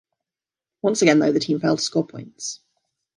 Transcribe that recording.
Once again, though, the team failed to score points.